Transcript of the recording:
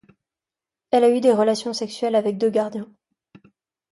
Elle a eu des relations sexuelles avec deux gardiens.